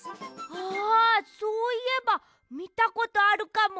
あそういえばみたことあるかも。